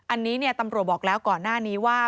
อันนี้ตำรวจบอกแล้วก่อนหน้านี้ว่า